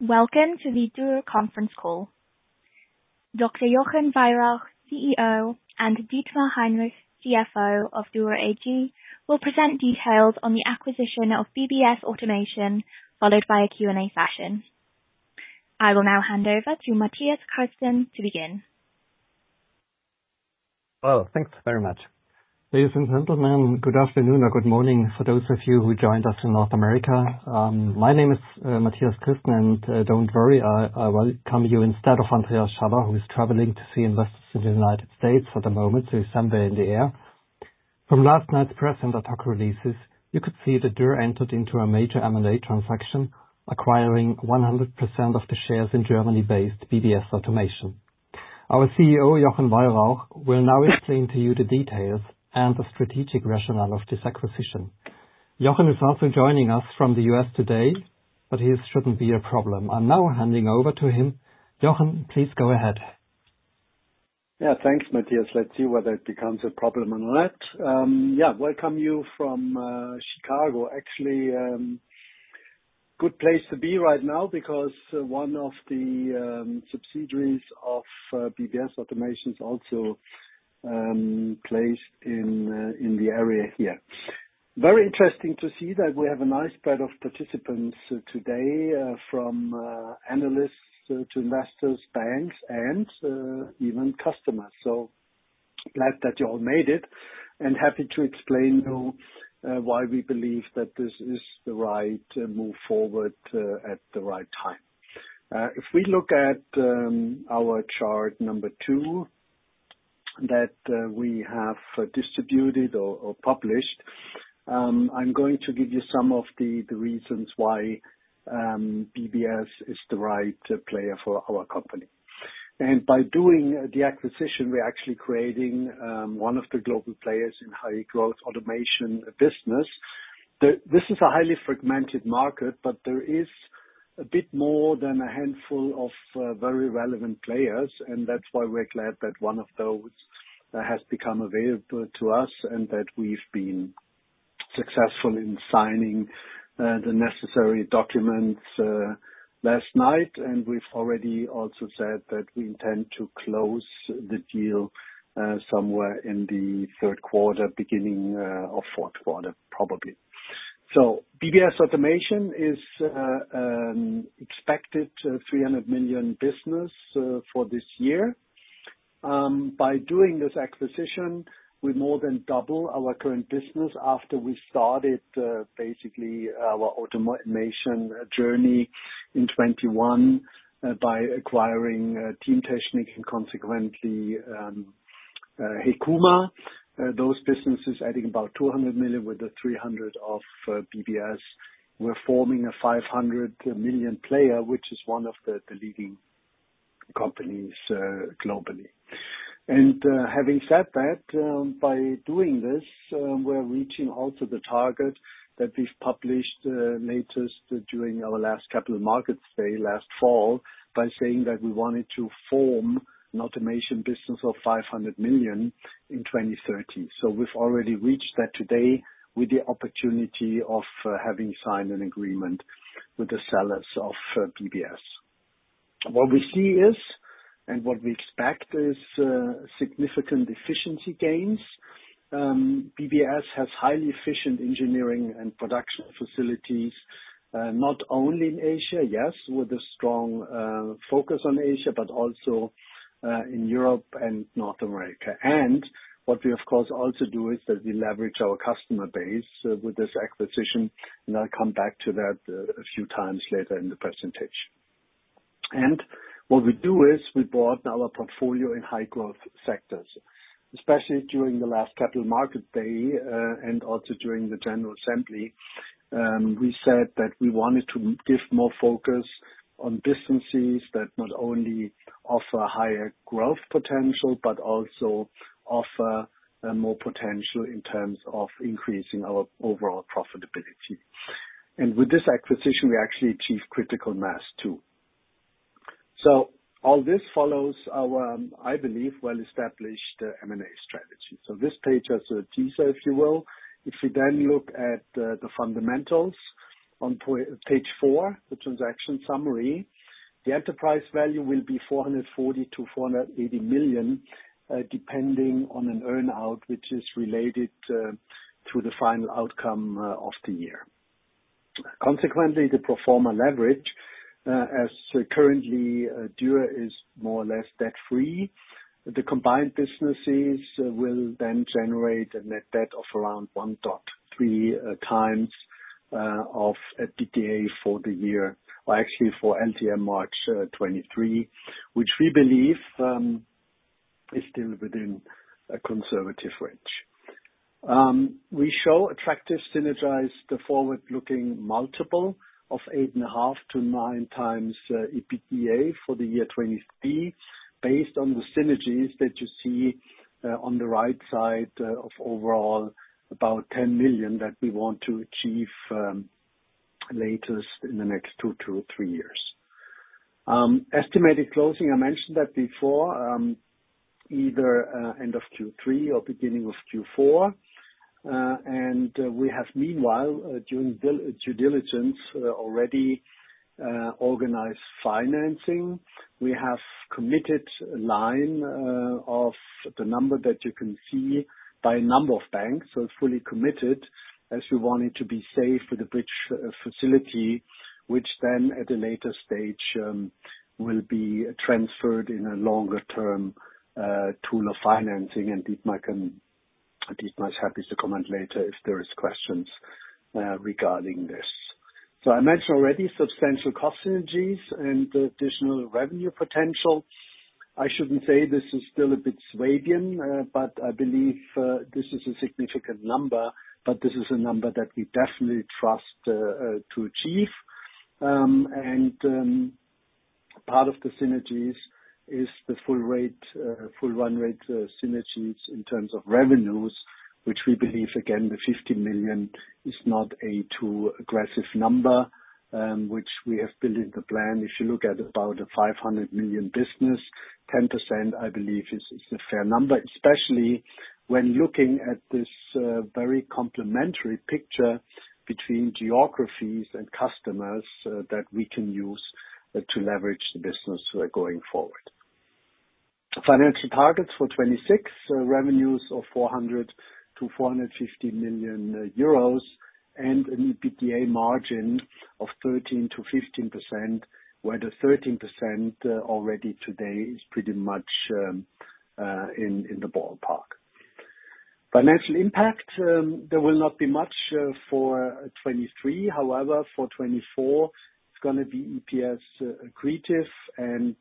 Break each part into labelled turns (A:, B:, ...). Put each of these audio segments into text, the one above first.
A: Welcome to the Dürr conference call. Dr. Jochen Weyrauch, CEO, and Dietmar Heinrich, CFO of Dürr AG, will present details on the acquisition of BBS Automation, followed by a Q&A session. I will now hand over to Mathias Christen to begin.
B: Thanks very much. Ladies and gentlemen, good afternoon, or good morning for those of you who joined us from North America. My name is Mathias Christen, don't worry, I welcome you instead of Andreas Schaller, who is traveling to see investors in the United States at the moment. He's somewhere in the air. From last night's press ad hoc releases, you could see that Dürr entered into a major M&A transaction, acquiring 100% of the shares in Germany-based BBS Automation. Our CEO, Jochen Weyrauch, will now explain to you the details and the strategic rationale of this acquisition. Jochen is also joining us from the U.S. today. He shouldn't be a problem. I'm now handing over to him. Jochen, please go ahead.
C: Yeah, thanks, Mathias. Let's see whether it becomes a problem or not. Yeah, welcome you from Chicago. Actually, good place to be right now because one of the subsidiaries of BBS Automation also plays in the area here. Very interesting to see that we have a nice spread of participants today from analysts to investors, banks, and even customers. Glad that you all made it, and happy to explain to you why we believe that this is the right move forward at the right time. If we look at our chart number two, that we have distributed or published, I'm going to give you some of the reasons why BBS is the right player for our company. By doing the acquisition, we're actually creating one of the global players in high growth automation business. This is a highly fragmented market, but there is a bit more than a handful of very relevant players, and that's why we're glad that one of those has become available to us, and that we've been successful in signing the necessary documents last night. We've already also said that we intend to close the deal somewhere in the third quarter, beginning or fourth quarter, probably. BBS Automation is expected 300 million business for this year. By doing this acquisition, we more than double our current business after we started basically our automation journey in 2021 by acquiring Teamtechnik and consequently Hekuma. Those businesses, I think about 200 million, with the 300 million of BBS, we're forming a 500 million player, which is one of the leading companies globally. Having said that, by doing this, we're reaching also the target that we've published latest during our last Capital Markets Day last fall, by saying that we wanted to form an automation business of 500 million in 2030. We've already reached that today with the opportunity of having signed an agreement with the sellers of BBS. What we see is, and what we expect, is significant efficiency gains. BBS has highly efficient engineering and production facilities, not only in Asia, yes, with a strong focus on Asia, but also in Europe and North America. What we of course also do is that we leverage our customer base with this acquisition, and I'll come back to that a few times later in the presentation. What we do is, we broaden our portfolio in high growth sectors. Especially during the last Capital Markets Day, and also during the general assembly, we said that we wanted to give more focus on businesses that not only offer higher growth potential, but also offer more potential in terms of increasing our overall profitability. With this acquisition, we actually achieve critical mass, too. All this follows our, I believe, well-established M&A strategy. This page has a teaser, if you will. If you then look at the fundamentals on page four, the transaction summary, the enterprise value will be 440 million-480 million, depending on an earn-out, which is related to the final outcome of the year. Consequently, the pro forma leverage, as currently Dürr is more or less debt-free, the combined businesses will then generate a net debt of around 1.3x of EBITDA for the year, or actually for LTM March 2023, which we believe is still within a conservative range. We show attractive synergized forward-looking multiple of 8.5x-9x EBITDA for the year 2023, based on the synergies that you see on the right side of overall about 10 million that we want to achieve latest in the next two-three years. Estimated closing, I mentioned that before, either end of Q3 or beginning of Q4. We have meanwhile, during due diligence, already organized financing. We have committed a line of the number that you can see by a number of banks, so it's fully committed, as we want it to be safe for the bridge facility, which then at a later stage will be transferred in a longer term tool of financing, and Dietmar is happy to comment later if there is questions regarding this. I mentioned already substantial cost synergies and additional revenue potential. I shouldn't say this is still a bit Swabian, but I believe this is a significant number, but this is a number that we definitely trust to achieve. Part of the synergies is the full run rate synergies in terms of revenues, which we believe, again, the 50 million is not a too aggressive number, which we have built in the plan. If you look at about a 500 million business, 10% I believe is a fair number, especially when looking at this very complementary picture between geographies and customers that we can use to leverage the business going forward. Financial targets for 2026, revenues of 400 million-450 million euros, and an EBITDA margin of 13%-15%, where the 13% already today is pretty much in the ballpark. Financial impact, there will not be much for 2023. For 2024, it's going to be EPS accretive, and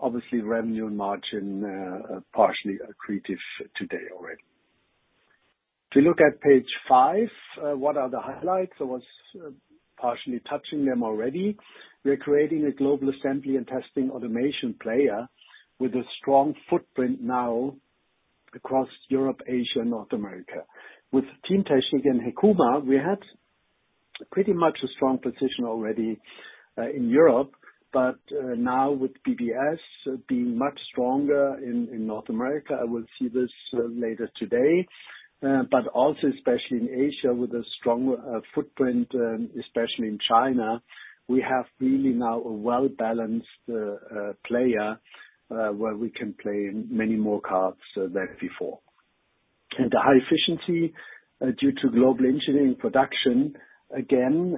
C: obviously revenue and margin are partially accretive today already. If you look at page five, what are the highlights? I was partially touching them already. We are creating a global assembly and testing automation player with a strong footprint now across Europe, Asia, and North America. With Teamtechnik and Hekuma, we had pretty much a strong position already in Europe, now with BBS being much stronger in North America, I will see this later today. Also especially in Asia, with a strong footprint, especially in China, we have really now a well-balanced player where we can play many more cards than before. The high efficiency due to global engineering production, again,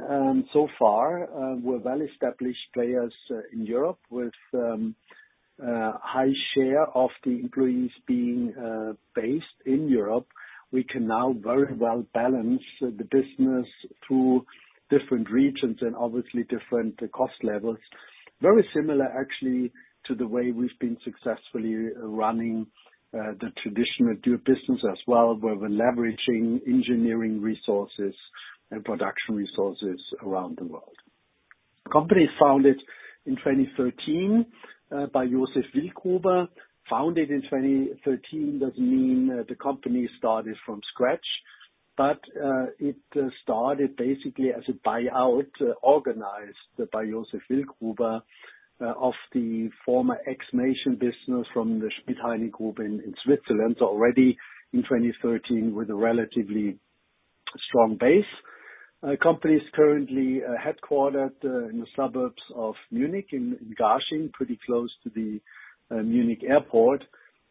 C: so far, we're well-established players in Europe with a high share of the employees being based in Europe. We can now very well balance the business through different regions and obviously different cost levels. Very similar, actually, to the way we've been successfully running the traditional Dürr business as well, where we're leveraging engineering resources and production resources around the world. Company founded in 2013 by Josef Wildgruber. Founded in 2013 doesn't mean the company started from scratch, but it started basically as a buyout organized by Josef Wildgruber of the former ixmation business from the Schmid Group in Switzerland, already in 2013, with a relatively strong base. Company is currently headquartered in the suburbs of Munich, in Garching, pretty close to the Munich airport.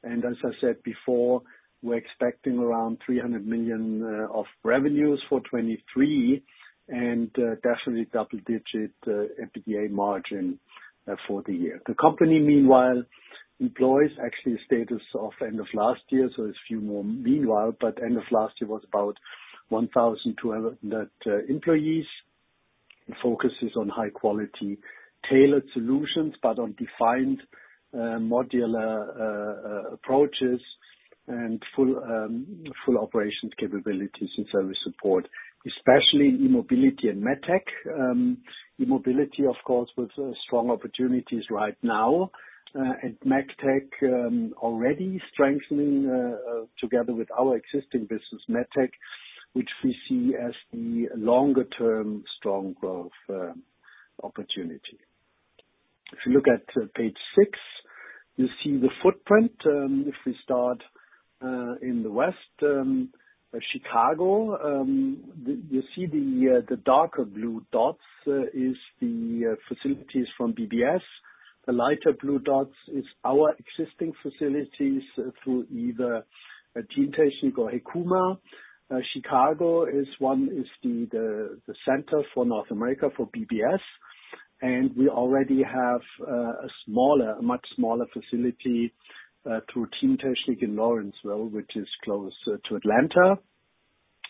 C: As I said before, we're expecting around 300 million of revenues for 2023, and definitely double digit EBITDA margin for the year. The company, meanwhile, employs actually a status of end of last year, so a few more meanwhile, but end of last year was about 1,200 net employees. It focuses on high quality, tailored solutions, but on defined modular approaches and full operations capabilities and service support, especially in mobility and med tech. Mobility, of course, with strong opportunities right now, and med tech already strengthening together with our existing business med tech, which we see as the longer term strong growth opportunity. If you look at page six, you see the footprint. If we start in the west, Chicago, you see the darker blue dots is the facilities from BBS. The lighter blue dots is our existing facilities through either Teamtechnik or Hekuma. Chicago is one, is the center for North America for BBS, and we already have a smaller, a much smaller facility through Teamtechnik in Lawrenceville, which is close to Atlanta.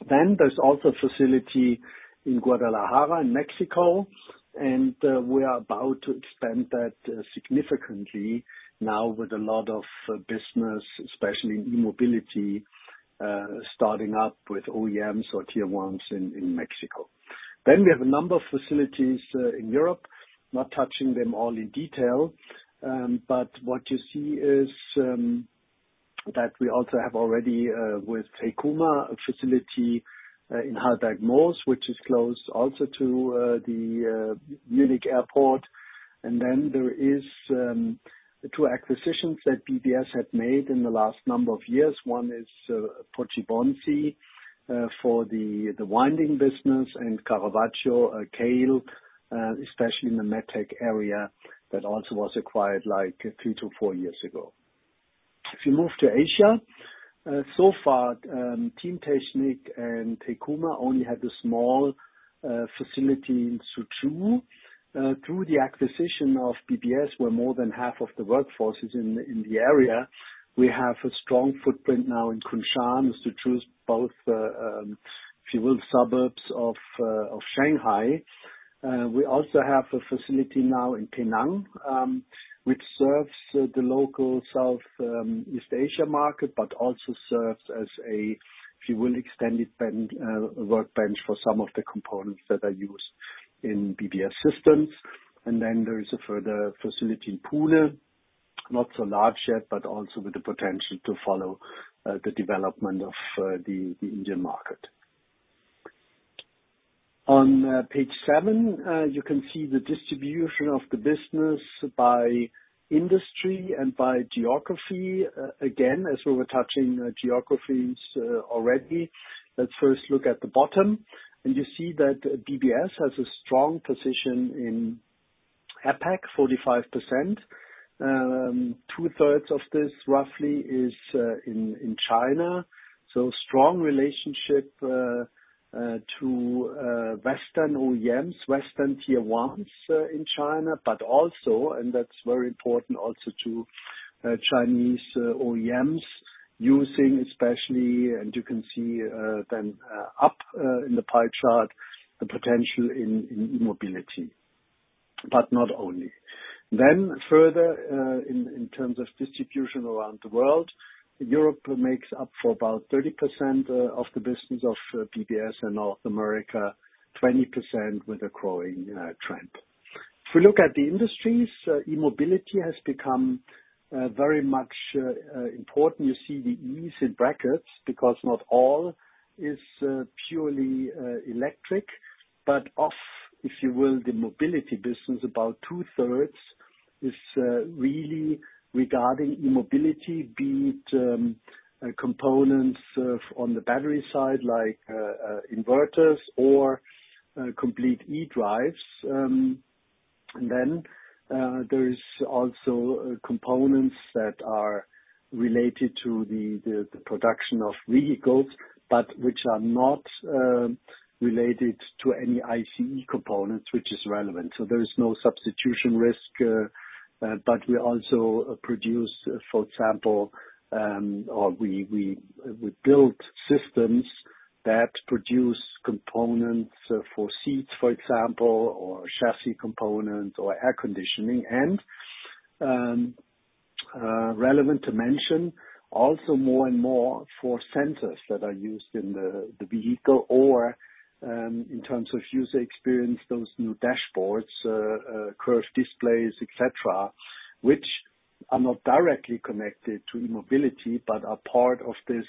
C: There's also a facility in Guadalajara, in Mexico, and we are about to expand that significantly now with a lot of business, especially in e-mobility, starting up with OEMs or Tier 1s in Mexico. We have a number of facilities in Europe, not touching them all in detail, but what you see is... that we also have already with Hekuma, a facility in Hallbergmoos, which is close also to the Munich Airport. There is the two acquisitions that BBS had made in the last number of years. One is Poggibonsi for the winding business, and Caravaggio, Kahle, especially in the med tech area, that also was acquired, like, three to four years ago. If you move to Asia, so far, Teamtechnik and Hekuma only had a small facility in Suzhou. Through the acquisition of BBS, where more than half of the workforce is in the area, we have a strong footprint now in Kunshan, Suzhou, both, if you will, suburbs of Shanghai. We also have a facility now in Penang, which serves the local South East Asia market, but also serves as a, if you will, extended workbench for some of the components that are used in BBS systems. There is a further facility in Pune, not so large yet, but also with the potential to follow the development of the Indian market. On page seven, you can see the distribution of the business by industry and by geography. Again, as we were touching geographies already, let's first look at the bottom. You see that BBS has a strong position in APAC, 45%. 2/3 of this, roughly, is in China, so strong relationship to Western OEMs, Western Tier 1s in China, but also, and that's very important, also to Chinese OEMs, using especially, and you can see then up in the pie chart, the potential in e-mobility, but not only. Further, in terms of distribution around the world, Europe makes up for about 30% of the business of BBS, and North America 20% with a growing trend. If we look at the industries, e-mobility has become very much important. You see the E's in brackets, because not all is purely electric, but of, if you will, the mobility business, about two-thirds is really regarding e-mobility, be it components of, on the battery side, like inverters or complete e-drives. There is also components that are related to the production of vehicles, but which are not related to any ICE components, which is relevant. There is no substitution risk, but we also produce, for example, or we build systems that produce components for seats, for example, or chassis components or air conditioning. Relevant to mention, also more and more for sensors that are used in the vehicle or in terms of user experience, those new dashboards, curved displays, et cetera, which are not directly connected to e-mobility, but are part of this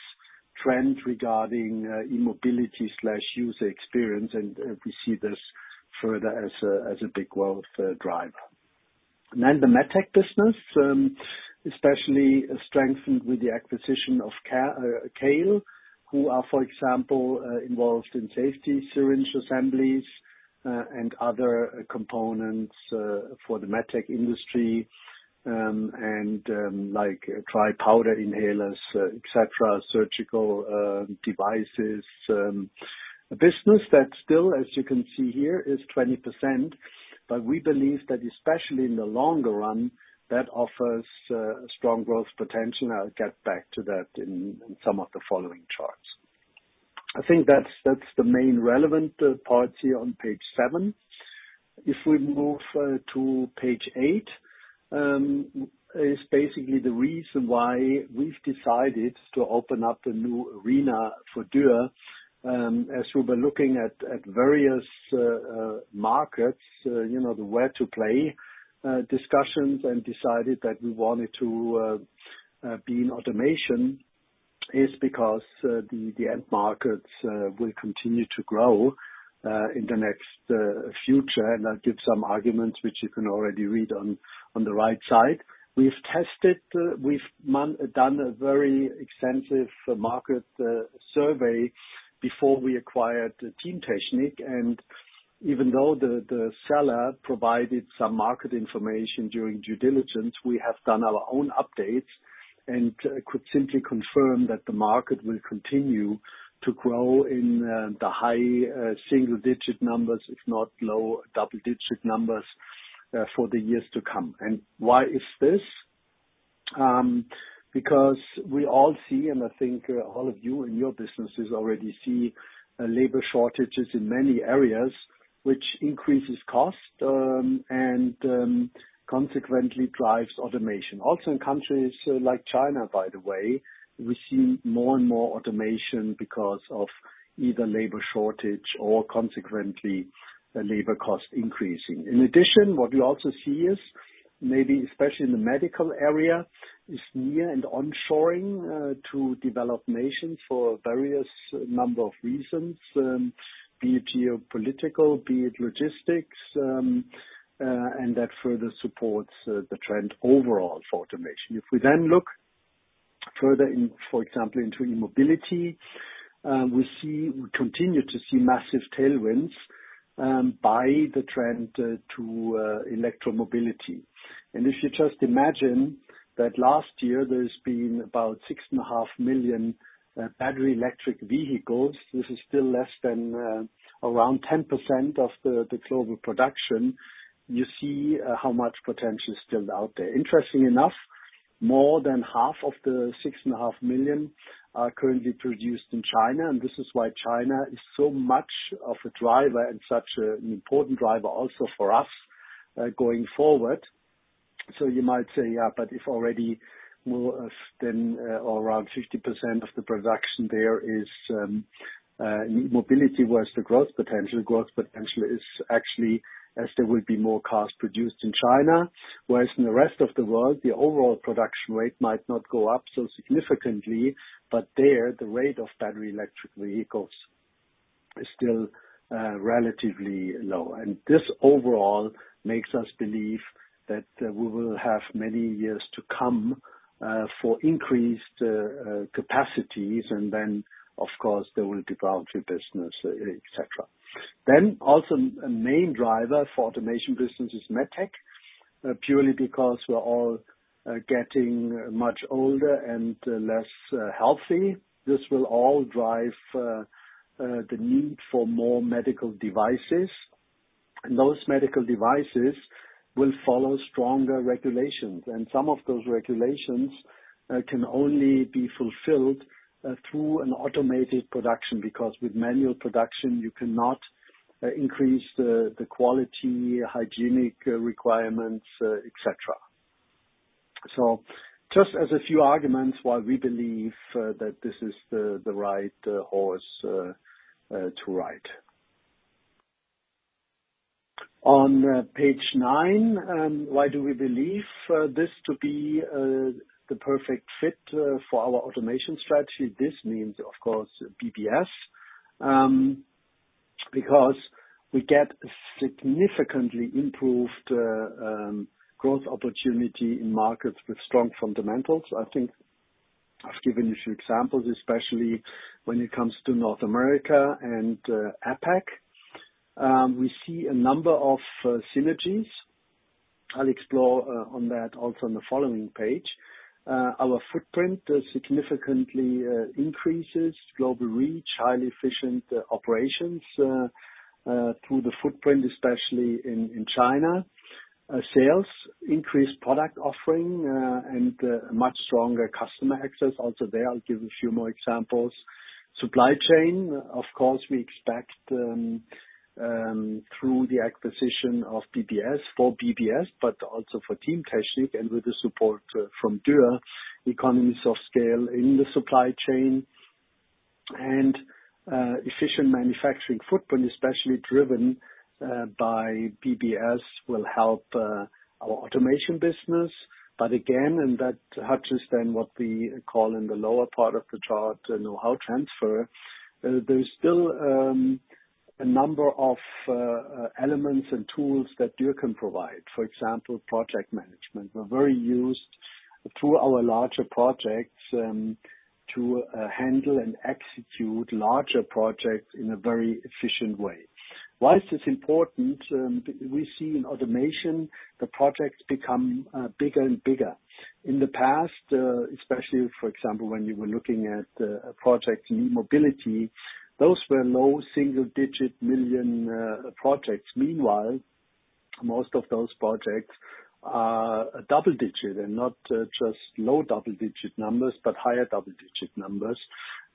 C: trend regarding e-mobility slash user experience, we see this further as a big growth driver. The med tech business, especially strengthened with the acquisition of Kahle, who are, for example, involved in safety syringe assemblies and other components for the med tech industry, and like, dry powder inhalers, et cetera, surgical devices. A business that still, as you can see here, is 20%, but we believe that especially in the longer run, that offers strong growth potential. I'll get back to that in some of the following charts. I think that's the main relevant parts here on page seven. If we move to page eight, is basically the reason why we've decided to open up a new arena for Dürr. As we were looking at various markets, you know, the where to play discussions, and decided that we wanted to be in automation, is because the end markets will continue to grow in the next future. I'll give some arguments which you can already read on the right side. We've tested, we've done a very extensive market survey before we acquired Teamtechnik, and even though the seller provided some market information during due diligence, we have done our own updates, and could simply confirm that the market will continue to grow in the high single-digit numbers, if not low double-digit numbers, for the years to come. Why is this? Because we all see, and I think all of you in your businesses already see, labor shortages in many areas, which increases cost, and consequently drives automation. In countries like China, by the way, we see more and more automation because of either labor shortage or consequently, the labor cost increasing. In addition, what we also see is, maybe especially in the medical area, is near- and onshoring to developed nations for various number of reasons, be it geopolitical, be it logistics, and that further supports the trend overall for automation. If we then look further in, for example, into e-mobility, we continue to see massive tailwinds by the trend to electro-mobility. If you just imagine that last year there's been about 6.5 million battery electric vehicles, this is still less than around 10% of the global production. You see how much potential is still out there. Interestingly enough, more than half of the 6.5 million are currently produced in China. This is why China is so much of a driver and such an important driver also for us going forward. You might say, yeah, but if already more than or around 50% of the production there is mobility, where's the growth potential? Growth potential is actually as there will be more cars produced in China, whereas in the rest of the world, the overall production rate might not go up so significantly, but there, the rate of battery electric vehicles is still relatively low. This overall makes us believe that we will have many years to come for increased capacities. Then, of course, there will be bounty business, et cetera. Also a main driver for automation business is MedTech, purely because we're all getting much older and less healthy. This will all drive the need for more medical devices. Those medical devices will follow stronger regulations, and some of those regulations can only be fulfilled through an automated production, because with manual production, you cannot increase the quality, hygienic requirements, et cetera. Just as a few arguments why we believe that this is the right horse to ride. Page nine, why do we believe this to be the perfect fit for our automation strategy? This means, of course, BBS. Because we get significantly improved growth opportunity in markets with strong fundamentals. I think I've given you a few examples, especially when it comes to North America and APAC. We see a number of synergies. I'll explore on that also on the following page. Our footprint significantly increases global reach, highly efficient operations through the footprint, especially in China. Sales, increased product offering, and much stronger customer access. Also there, I'll give a few more examples. Supply chain, of course, we expect through the acquisition of BBS, for BBS, but also for Teamtechnik, and with the support from Dürr, economies of scale in the supply chain and efficient manufacturing footprint, especially driven by BBS, will help our automation business. Again, that touches what we call in the lower part of the chart, the know-how transfer. There's still a number of elements and tools that Dürr can provide. For example, project management. We're very used to our larger projects to handle and execute larger projects in a very efficient way. Why is this important? We see in automation, the projects become bigger and bigger. In the past, especially, for example, when we were looking at project e-mobility, those were low single digit million projects. Meanwhile, most of those projects are double digit and not just low double digit numbers, but higher double digit numbers.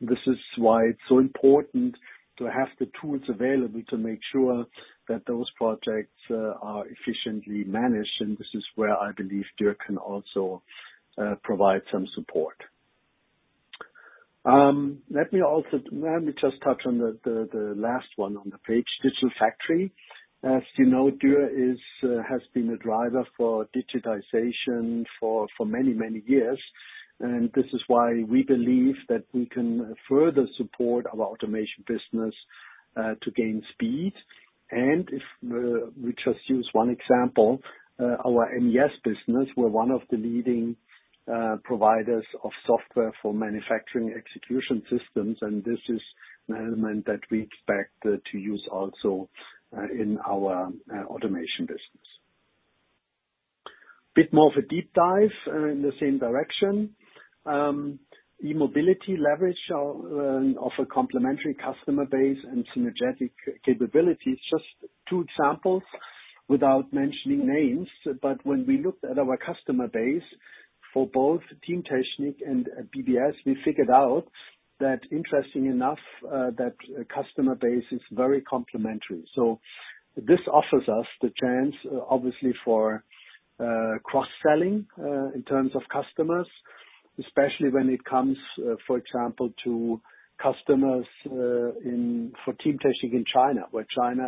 C: This is why it's so important to have the tools available to make sure that those projects are efficiently managed, and this is where I believe Dürr can also provide some support. Let me just touch on the last one on the page, digital factory. As you know, Dürr is a driver for digitization for many, many years, and this is why we believe that we can further support our automation business to gain speed. If we just use one example, our MES business, we're one of the leading providers of software for manufacturing execution systems, and this is an element that we expect to use also in our automation business. Bit more of a deep dive in the same direction. e-mobility leverage of a complementary customer base and synergetic capabilities. Just two examples without mentioning names, when we looked at our customer base for both Teamtechnik and BBS, we figured out that, interestingly enough, that customer base is very complementary. This offers us the chance, obviously, for cross-selling in terms of customers, especially when it comes, for example, to customers in, for Teamtechnik in China, where China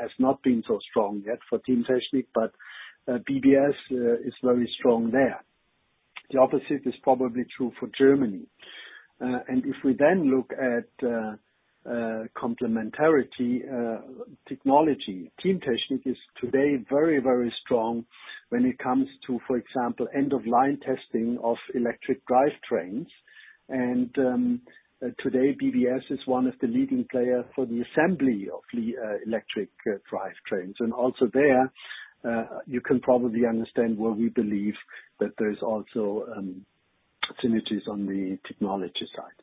C: has not been so strong yet for Teamtechnik, but BBS is very strong there. The opposite is probably true for Germany. If we then look at complementarity technology, Teamtechnik is today very, very strong when it comes to, for example, end-of-line testing of electric drivetrains. Today, BBS is one of the leading player for the assembly of the electric drivetrains. Also there, you can probably understand why we believe that there's also synergies on the technology side.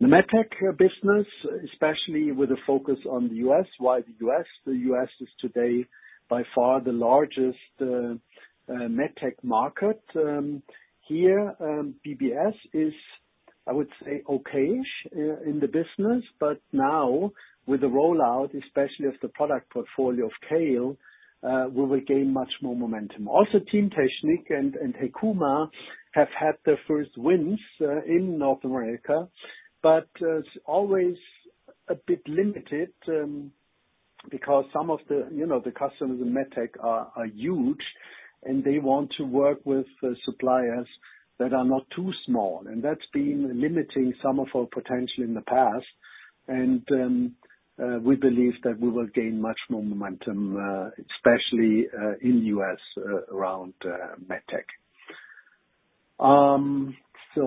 C: The med tech business, especially with a focus on the U.S. Why the U.S.? The U.S. is today by far the largest med tech market. Here, BBS is, I would say, okay-ish in the business, but now with the rollout, especially of the product portfolio of Kahle, we will gain much more momentum. Also, Teamtechnik and Hekuma have had their first wins in North America, but it's always a bit limited because some of the, you know, the customers in med tech are huge, and they want to work with the suppliers that are not too small. That's been limiting some of our potential in the past, and we believe that we will gain much more momentum, especially in U.S., around med tech.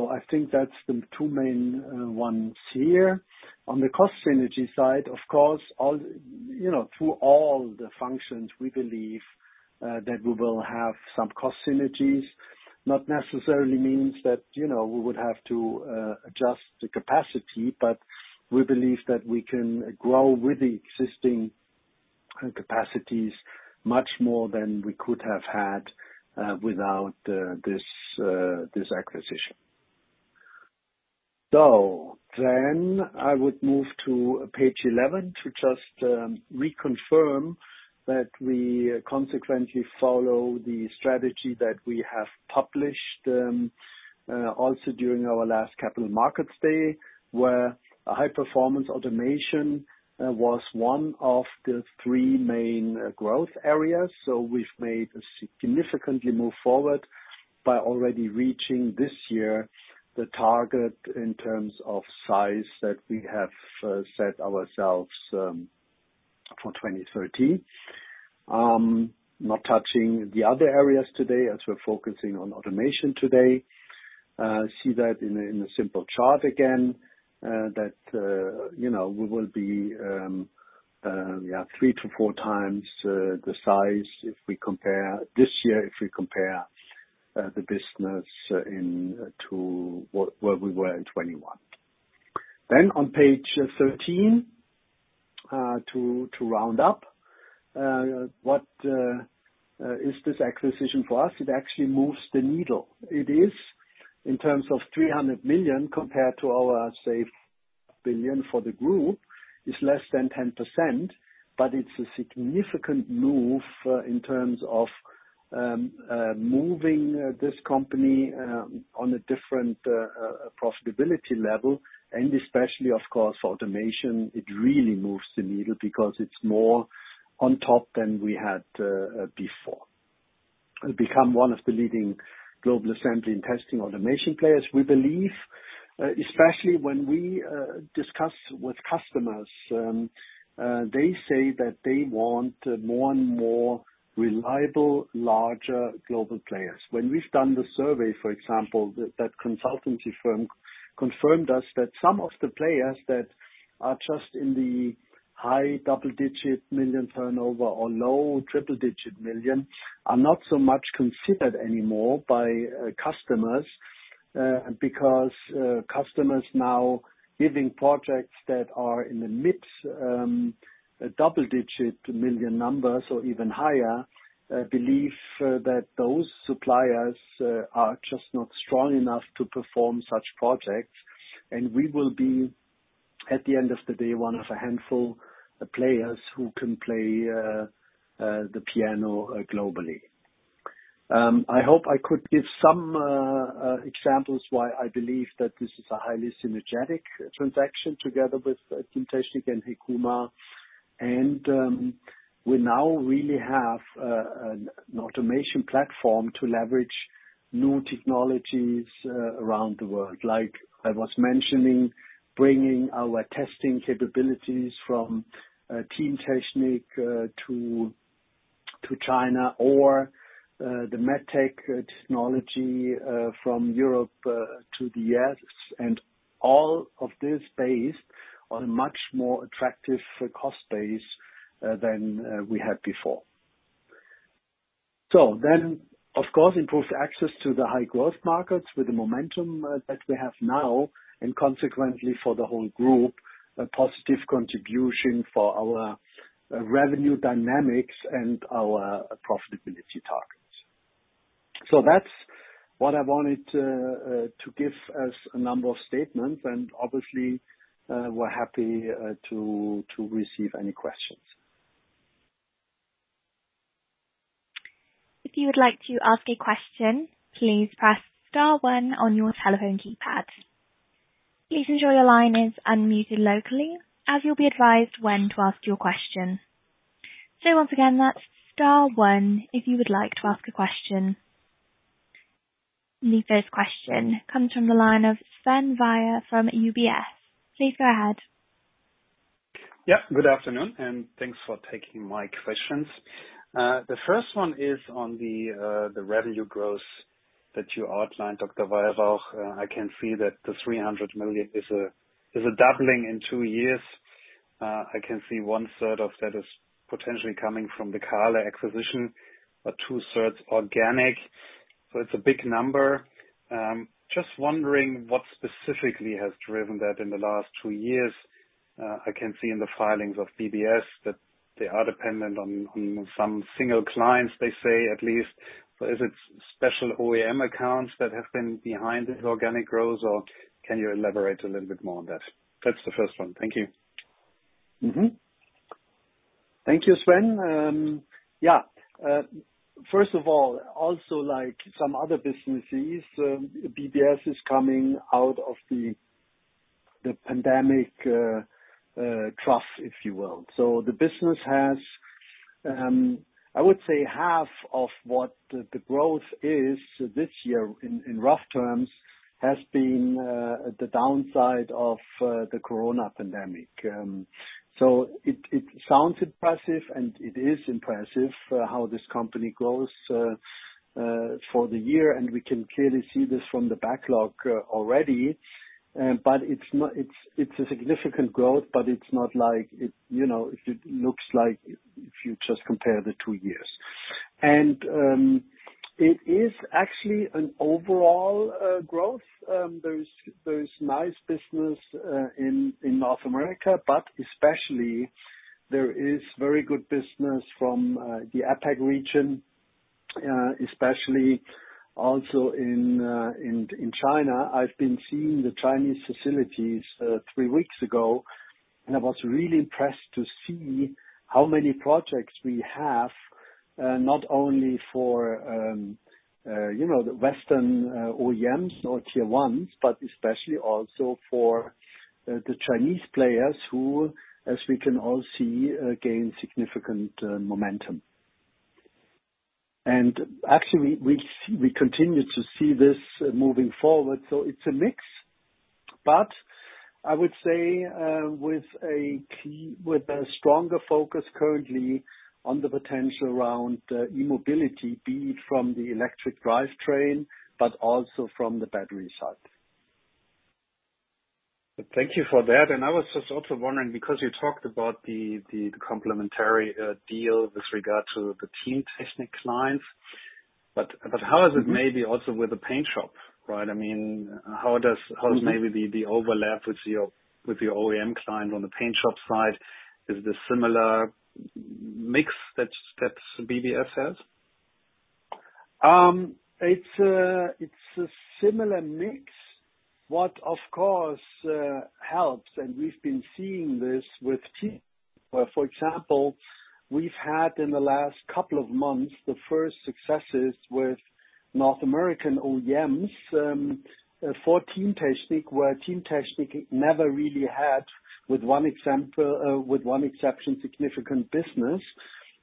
C: I think that's the two main ones here. On the cost synergy side, of course, all, you know, through all the functions, we believe that we will have some cost synergies. Not necessarily means that, you know, we would have to adjust the capacity, but we believe that we can grow with the existing capacities much more than we could have had without this this acquisition. I would move to page 11 to just reconfirm that we consequently follow the strategy that we have published also during our last Capital Markets Day, where a high-performance automation was one of the three main growth areas. We've made significantly move forward by already reaching this year the target in terms of size that we have set ourselves for 2013. Not touching the other areas today, as we're focusing on automation today. See that in a simple chart again that, you know, we will be, yeah, 3x-4x the size if we compare this year, if we compare the business in to where we were in 2021. On page 13 to round up what is this acquisition for us? It actually moves the needle. It is in terms of 300 million compared to our, say, 1 billion for the group, is less than 10%, but it's a significant move, in terms of moving this company on a different profitability level, and especially, of course, for automation, it really moves the needle because it's more on top than we had before. It become one of the leading global assembly and testing automation players. We believe, especially when we discuss with customers, they say that they want more and more reliable, larger global players. When we've done the survey, for example, that consultancy firm confirmed us that some of the players that are just in the high double-digit million turnover or low triple-digit million are not so much considered anymore by customers because customers now giving projects that are in the mid double-digit million numbers or even higher believe that those suppliers are just not strong enough to perform such projects. We will be, at the end of the day, one of a handful players who can play the piano globally. I hope I could give some examples why I believe that this is a highly synergetic transaction together with Teamtechnik and Hekuma, and we now really have an automation platform to leverage new technologies around the world. Like I was mentioning, bringing our testing capabilities from Teamtechnik to China or the med tech technology from Europe to the U.S., and all of this based on a much more attractive cost base than we had before. Of course, improved access to the high growth markets with the momentum that we have now, and consequently for the whole group, a positive contribution for our revenue dynamics and our profitability targets. That's what I wanted to give as a number of statements, and obviously, we're happy to receive any questions.
A: If you would like to ask a question, please press star one on your telephone keypad. Please ensure your line is unmuted locally, as you'll be advised when to ask your question. Once again, that's star one if you would like to ask a question. The first question comes from the line of Sven Weier from UBS. Please go ahead.
D: Good afternoon, and thanks for taking my questions. The first one is on the revenue growth that you outlined, Dr. Weyrauch. I can see that the 300 million is a doubling in two years. I can see one third of that is potentially coming from the Kahle acquisition, but two-thirds organic, so it's a big number. Just wondering what specifically has driven that in the last two years? I can see in the filings of BBS, that they are dependent on some single clients, they say at least. Is it special OEM accounts that have been behind this organic growth, or can you elaborate a little bit more on that? That's the first one. Thank you.
C: Thank you, Sven. First of all, also, like some other businesses, BBS is coming out of the pandemic trough, if you will. The business has, I would say, half of what the growth is this year, in rough terms, has been the downside of the coronavirus pandemic. It sounds impressive, and it is impressive how this company grows for the year, and we can clearly see this from the backlog already. It's not, it's a significant growth, but it's not like, you know, it looks like if you just compare the two years. It is actually an overall growth. there is nice business in North America, but especially there is very good business from the APAC region, especially also in China. I've been seeing the Chinese facilities three weeks ago, and I was really impressed to see how many projects we have, not only for, you know, the Western OEMs or Tier 1s, but especially also for the Chinese players, who, as we can all see, gain significant momentum. Actually, we continue to see this moving forward, so it's a mix. I would say, with a stronger focus currently on the potential around e-mobility, be it from the electric drivetrain, but also from the battery side.
D: Thank you for that. I was just also wondering, because you talked about the complementary deal with regard to the Teamtechnik clients, how is it maybe also with the paint shop, right?
C: Mm-hmm.
D: How is maybe the overlap with your OEM client on the paint shop side? Is this similar mix that BBS has?
C: It's a similar mix. What, of course, helps, we've been seeing this with Teamtechnik, for example, we've had in the last couple of months, the first successes with North American OEMs for Teamtechnik, where Teamtechnik never really had, with one exception, significant business.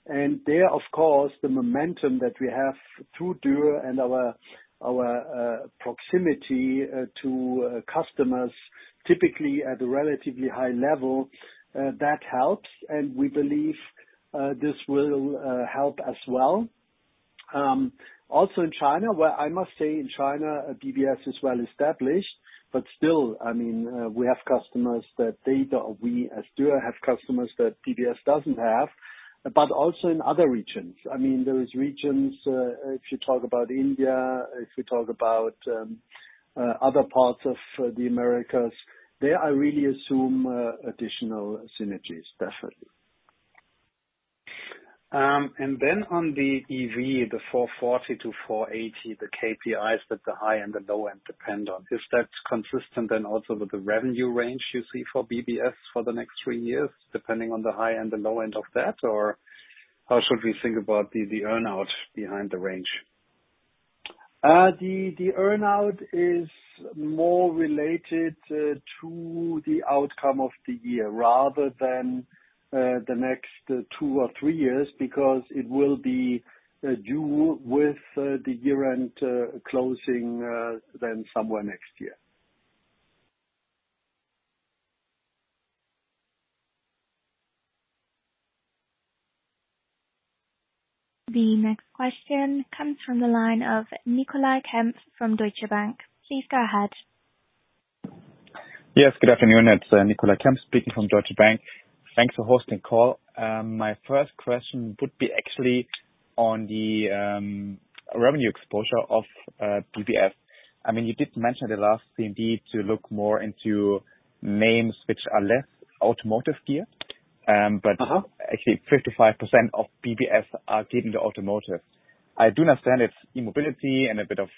C: There, of course, the momentum that we have through Dürr and our proximity to customers, typically at a relatively high level, that helps, we believe this will help as well. Also in China, where I must say in China, BBS is well established, still, I mean, we as Dürr have customers that BBS doesn't have, also in other regions. I mean, there is regions, if you talk about India, if you talk about, other parts of, the Americas, there I really assume, additional synergies, definitely.
D: Then on the EV, the 440-480, the KPIs that the high and the low end depend on, is that consistent then also with the revenue range you see for BBS for the next three years, depending on the high and the low end of that? How should we think about the earn-out behind the range?
C: The earn-out is more related to the outcome of the year rather than the next two or three years, because it will be due with the year-end closing then somewhere next year.
A: The next question comes from the line of Nicolai Kempf from Deutsche Bank. Please go ahead.
E: Yes, good afternoon. It's Nicolai Kempf speaking from Deutsche Bank. Thanks for hosting the call. My first question would be actually on the revenue exposure of BBS. I mean, you did mention the last P&D to look more into names which are less automotive gear. Actually 55% of BBS are getting the automotive. I do understand it's e-mobility and a bit of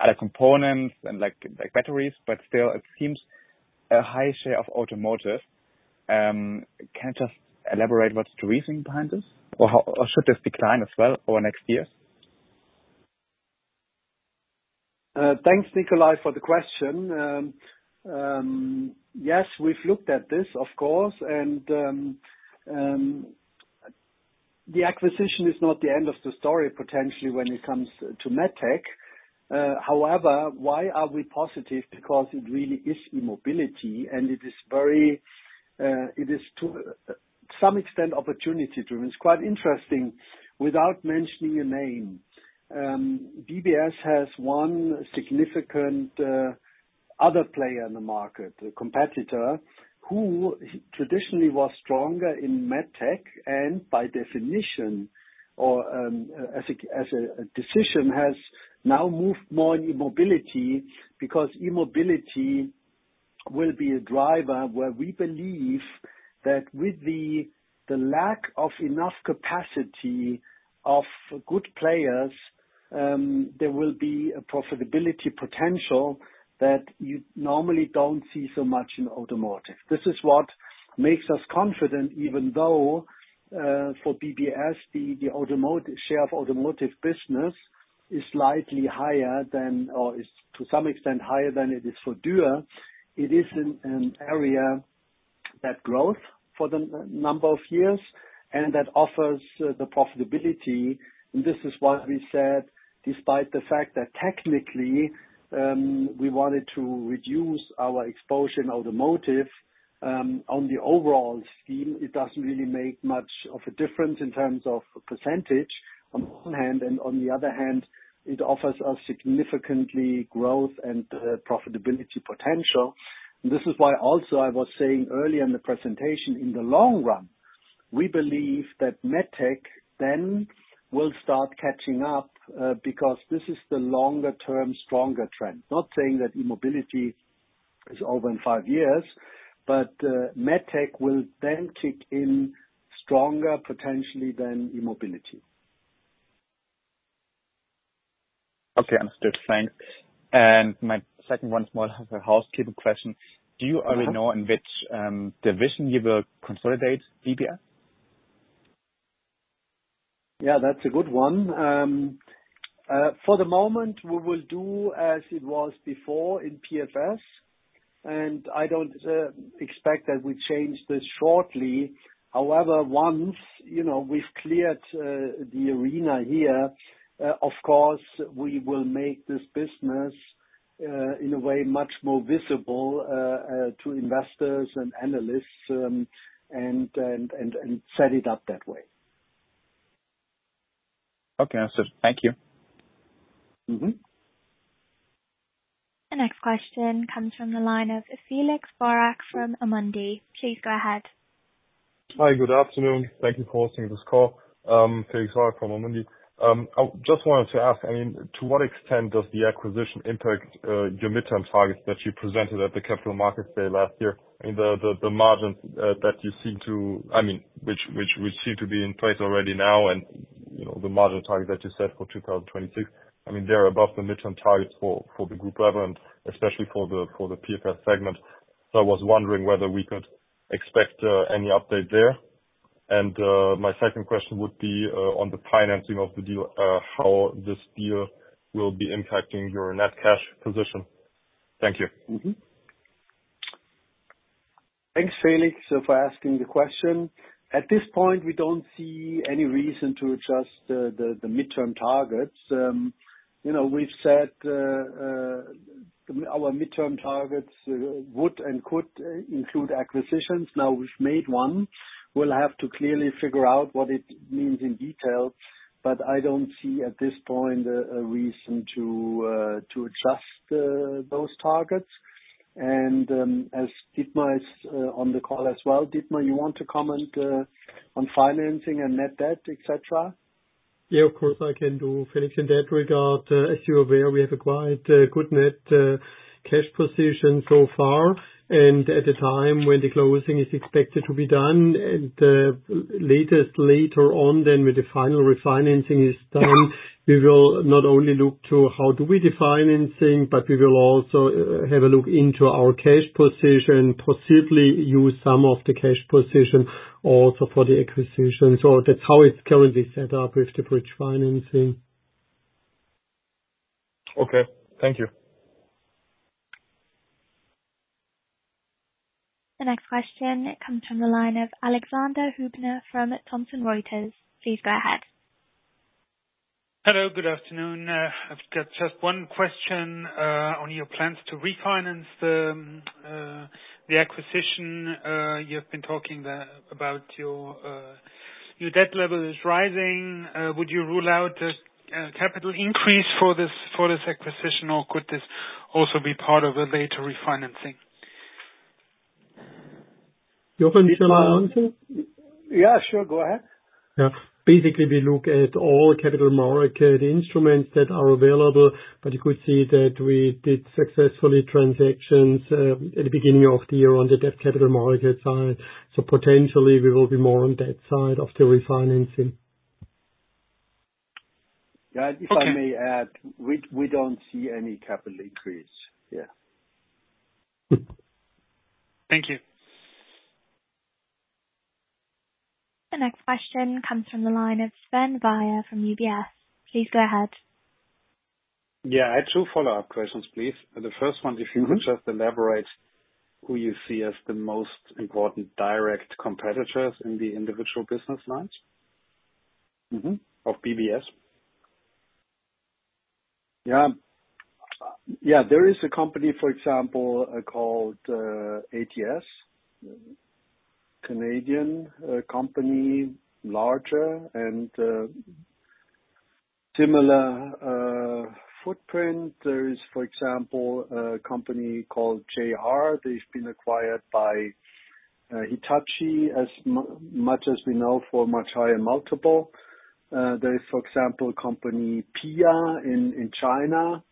E: other components and like, batteries, but still, it seems a high share of automotive. Can you just elaborate what's the reasoning behind this, or should this decline as well over next year?
C: Thanks, Nicolai, for the question. Yes, we've looked at this, of course. The acquisition is not the end of the story, potentially, when it comes to med tech. Why are we positive? It really is e-mobility, and it is very, it is to some extent, opportunity driven. It's quite interesting. Without mentioning a name, BBS has one significant, other player in the market, a competitor, who traditionally was stronger in med tech, and by definition, or as a decision, has now moved more in e-mobility. E-mobility will be a driver, where we believe that with the lack of enough capacity of good players, there will be a profitability potential that you normally don't see so much in automotive. This is what makes us confident, even though for BBS, the automotive, share of automotive business is slightly higher than, or is to some extent, higher than it is for Dürr. It is an area that growth for the number of years, and that offers the profitability. This is why we said, despite the fact that technically, we wanted to reduce our exposure in automotive, on the overall scheme, it doesn't really make much of a difference in terms of percentage on one hand, and on the other hand, it offers us significantly growth and profitability potential. This is why also I was saying earlier in the presentation, in the long run, we believe that med tech then will start catching up, because this is the longer-term, stronger trend. Not saying that e-mobility is over in five years, but med tech will then kick in stronger potentially than e-mobility.
E: Okay, understood. Thanks. My second one is more of a housekeeping question.
C: Uh-huh.
E: Do you already know in which division you will consolidate BBS?
C: Yeah, that's a good one. For the moment, we will do as it was before in PFS, and I don't expect that we change this shortly. However, once, you know, we've cleared the arena here, of course, we will make this business in a way, much more visible to investors and analysts, and set it up that way.
E: Okay, understood. Thank you.
C: Mm-hmm.
A: The next question comes from the line of Felix Borchert from Amundi. Please go ahead.
F: Hi, good afternoon. Thank you for hosting this call. Felix Borchert from Amundi. I just wanted to ask, I mean, to what extent does the acquisition impact your midterm targets that you presented at the Capital Markets Day last year? I mean, the margins that you seem to which seem to be in place already now, and, you know, the margin target that you set for 2026. I mean, they are above the midterm targets for the group level, and especially for the PFS segment. I was wondering whether we could expect any update there. My second question would be on the financing of the deal, how this deal will be impacting your net cash position? Thank you.
C: Thanks, Felix, for asking the question. At this point, we don't see any reason to adjust the midterm targets. You know, we've said our midterm targets would and could include acquisitions. Now, we've made one. We'll have to clearly figure out what it means in detail, but I don't see at this point a reason to adjust those targets. As Dietmar is on the call as well, Dietmar, you want to comment on financing and net debt, et cetera?
G: Yeah, of course, I can do, Felix, in that regard. As you're aware, we have a quite good net cash position so far, and at the time when the closing is expected to be done, and latest later on, then when the final refinancing is done...
F: Yeah...
G: we will not only look to how do we refinancing, but we will also have a look into our cash position, possibly use some of the cash position also for the acquisition. That's how it's currently set up with the bridge financing.
F: Okay, thank you.
A: The next question comes from the line of Alexander Hübner from Thomson Reuters. Please go ahead.
H: Hello, good afternoon. I've got just one question on your plans to refinance the acquisition. You've been talking about your debt level is rising. Would you rule out a capital increase for this acquisition, or could this also be part of a later refinancing?
G: Jochen, shall I answer?
C: Yeah, sure. Go ahead.
G: Yeah. Basically, we look at all capital market instruments that are available, but you could see that we did successfully transactions at the beginning of the year on the debt capital market side, so potentially we will be more on that side of the refinancing.
C: Yeah-
H: Okay.
C: If I may add, we don't see any capital increase. Yeah.
G: Mm-hmm.
H: Thank you.
A: The next question comes from the line of Sven Weier from UBS. Please go ahead.
D: Yeah, I have two follow-up questions, please. The first one-
C: Mm-hmm.
D: If you could just elaborate who you see as the most important direct competitors in the individual business lines?
C: Of BBS? Yeah, there is a company, for example, called ATS, Canadian company, larger and similar footprint. There is, for example, a company called JR. They've been acquired by Hitachi, as much as we know, for a much higher multiple. There is, for example, company PIA in China.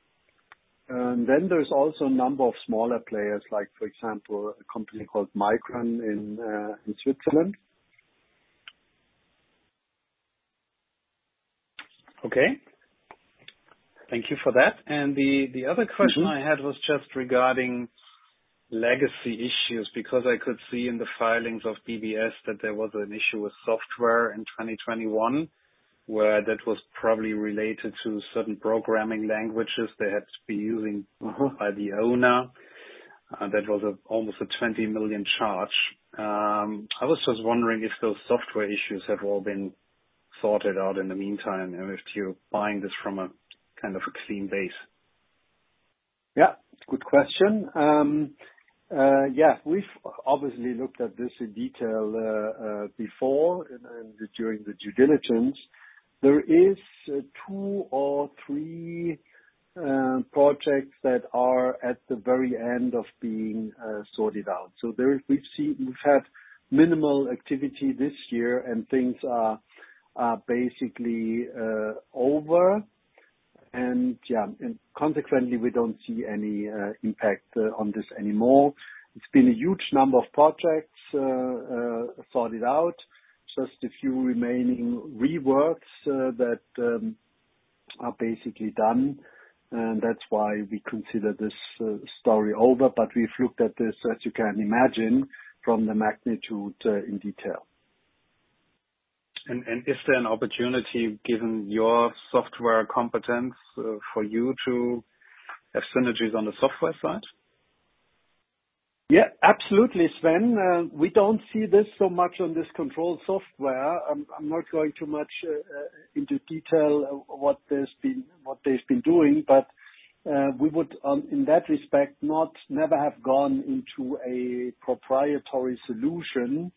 C: Then there's also a number of smaller players, like, for example, a company called Mikron in Switzerland.
D: Okay. Thank you for that. The other question-
C: Mm-hmm.
D: I had was just regarding legacy issues, because I could see in the filings of BBS that there was an issue with software in 2021, where that was probably related to certain programming languages they had to be using.
C: Mm-hmm.
D: -by the owner. That was a, almost a 20 million charge. I was just wondering if those software issues have all been sorted out in the meantime, and if you're buying this from a kind of a clean base?
C: Yeah, good question. Yeah, we've obviously looked at this in detail before and then during the due diligence. There is two or three projects that are at the very end of being sorted out. There, we've had minimal activity this year, and things are basically over. Yeah, consequently, we don't see any impact on this anymore. It's been a huge number of projects sorted out, just a few remaining reworks that are basically done, and that's why we consider this story over. We've looked at this, as you can imagine, from the magnitude in detail.
D: Is there an opportunity, given your software competence, for you to have synergies on the software side?
C: Yeah, absolutely, Sven. We don't see this so much on this control software. I'm not going too much into detail what there's been, what they've been doing, but we would in that respect, not never have gone into a proprietary solution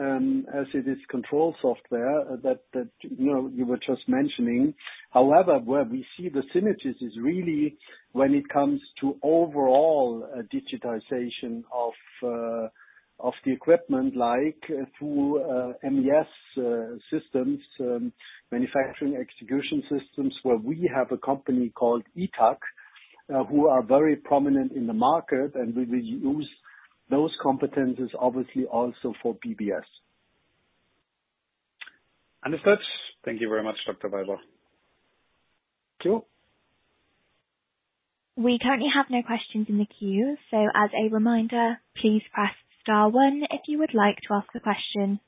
C: as it is control software that, you know, you were just mentioning. However, where we see the synergies is really when it comes to overall digitization of the equipment, like through MES systems, manufacturing execution systems, where we have a company called iTAC who are very prominent in the market, and we will use those competencies obviously also for BBS.
D: Understood. Thank you very much, Dr. Weyrauch.
C: Thank you.
A: We currently have no questions in the queue. As a reminder, please press star one if you would like to ask a question.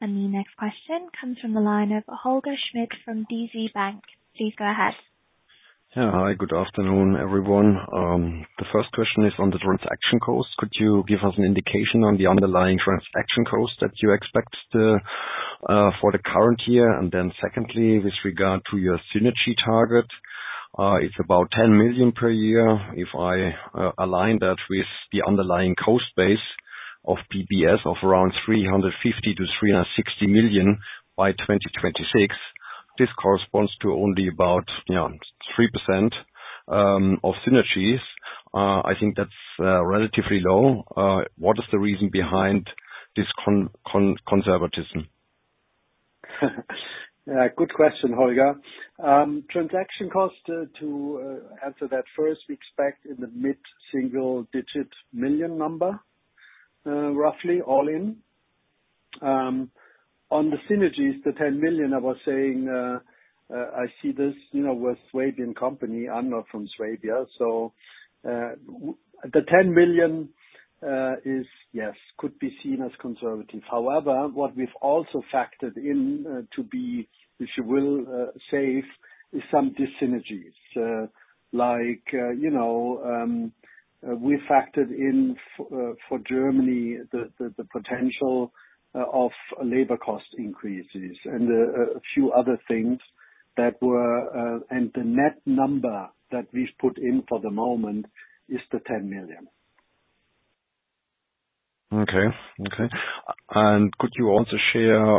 A: The next question comes from the line of Holger Schmidt from DZ Bank. Please go ahead.
I: Yeah. Hi, good afternoon, everyone. The first question is on the transaction cost. Could you give us an indication on the underlying transaction cost that you expect for the current year? Secondly, with regard to your synergy target, it's about 10 million per year. If I align that with the underlying cost base of BBS of around 350 million-360 million by 2026, this corresponds to only about, you know, 3% of synergies. I think that's relatively low. What is the reason behind this conservatism?
C: Yeah, good question, Holger. transaction cost to answer that first, we expect in the mid-single digit million number, roughly, all in. On the synergies, the 10 million, I was saying, I see this, you know, with Swabian company. I'm not from Swabia, so the 10 million is yes, could be seen as conservative. However, what we've also factored in to be, if you will, safe, is some dyssynergies. Like, you know, we factored in for Germany, the potential of labor cost increases and a few other things that were. The net number that we've put in for the moment is the EUR 10 million....
I: Okay, okay. Could you also share,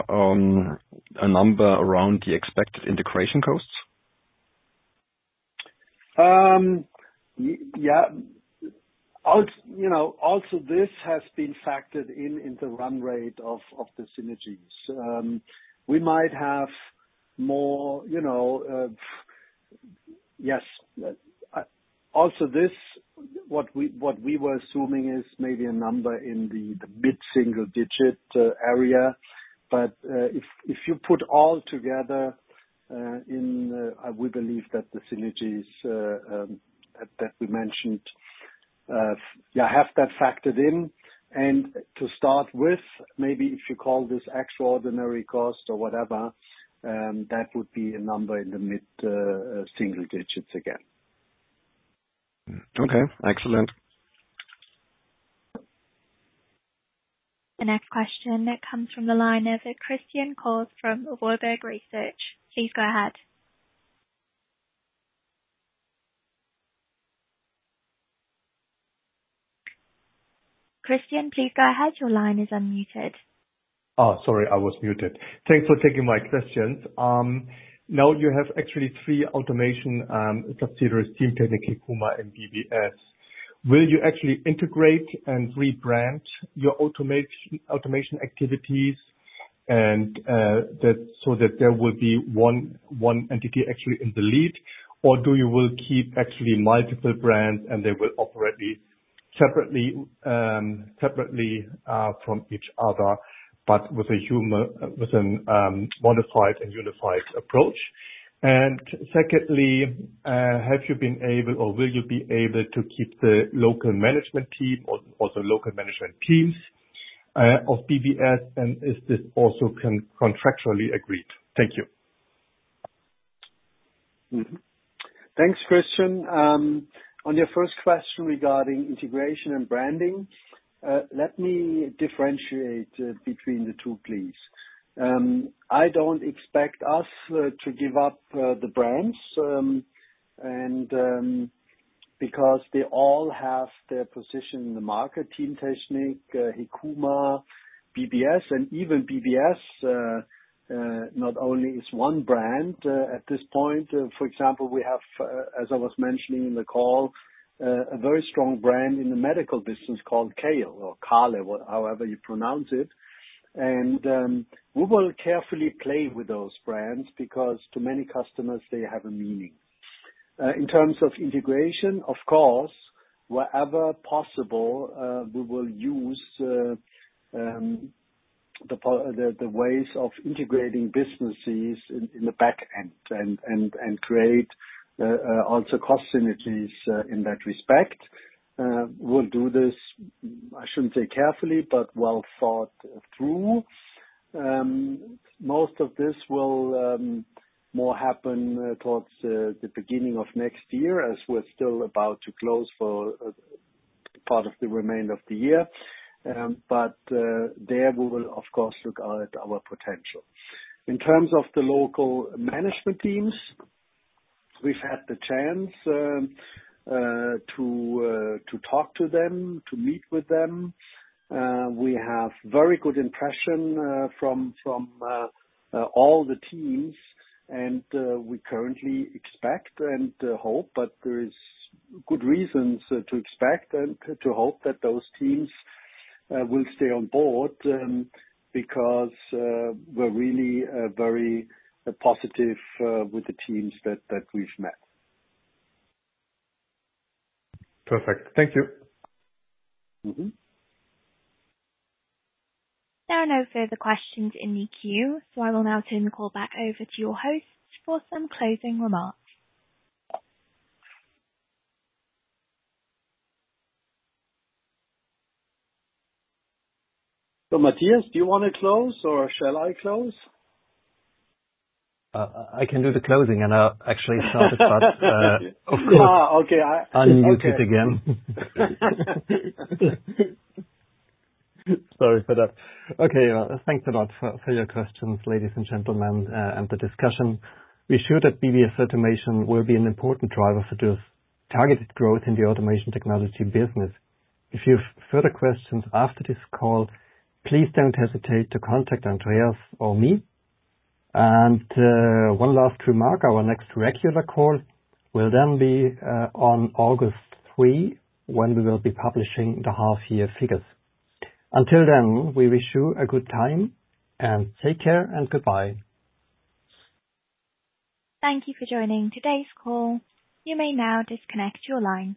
I: a number around the expected integration costs?
C: Yeah. You know, also this has been factored in the run rate of the synergies. We might have more, you know, yes. Also, this, what we were assuming is maybe a number in the mid-single digit area. If you put all together, we believe that the synergies that we mentioned, yeah, have that factored in. To start with, maybe if you call this extraordinary cost or whatever, that would be a number in the mid-single digits again.
I: Okay, excellent.
A: The next question that comes from the line of Christian Kohl from Warburg Research. Please go ahead. Christian, please go ahead. Your line is unmuted.
J: Sorry, I was muted. Thanks for taking my questions. Now you have actually three automation subsidiaries, Teamtechnik, Hekuma, and BBS. Will you actually integrate and rebrand your automation activities, so that there will be one entity actually in the lead? Do you will keep actually multiple brands, and they will operate it separately from each other, but with an modified and unified approach? Secondly, have you been able, or will you be able to keep the local management team or the local management teams of BBS, and is this also contractually agreed? Thank you.
C: Thanks, Christian. On your first question regarding integration and branding, let me differentiate between the two, please. I don't expect us to give up the brands, and because they all have their position in the market, Teamtechnik, Hekuma, BBS. Even BBS not only is one brand at this point. For example, we have, as I was mentioning in the call, a very strong brand in the medical business called Kahle or Kahle, however you pronounce it. We will carefully play with those brands because to many customers, they have a meaning. In terms of integration, of course, wherever possible, we will use the ways of integrating businesses in the back end, and create also cost synergies in that respect. We'll do this, I shouldn't say carefully, but well thought through. Most of this will more happen towards the beginning of next year, as we're still about to close for part of the remainder of the year. There we will of course look at our potential. In terms of the local management teams, we've had the chance to talk to them, to meet with them. We have very good impression from all the teams, and we currently expect and hope, but there is good reasons to expect and to hope that those teams will stay on board, because we're really very positive with the teams that we've met.
J: Perfect. Thank you.
C: Mm-hmm.
A: There are no further questions in the queue, so I will now turn the call back over to your host for some closing remarks.
C: Mathias, do you wanna close, or shall I close?
B: I can do the closing, and, actually start it, but.
C: Okay.
B: Unmute it again. Sorry for that. Okay, thanks a lot for your questions, ladies and gentlemen, and the discussion. We're sure that BBS Automation will be an important driver for just targeted growth in the automation technology business. If you have further questions after this call, please don't hesitate to contact Andreas or me. One last remark, our next regular call will then be on August 3, when we will be publishing the half year figures. Until then, we wish you a good time, take care and goodbye.
A: Thank you for joining today's call. You may now disconnect your line.